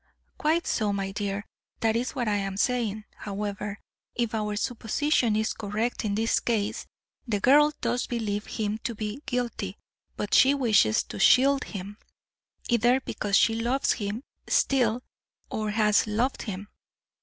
"Quite so, my dear; that is what I am saying; however, if our supposition is correct in this case, the girl does believe him to be guilty, but she wishes to shield him, either because she loves him still or has loved him.